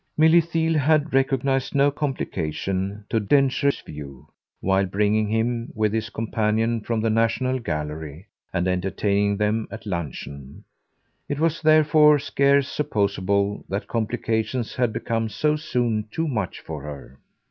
Milly Theale had recognised no complication, to Densher's view, while bringing him, with his companion, from the National Gallery and entertaining them at luncheon; it was therefore scarce supposable that complications had become so soon too much for her.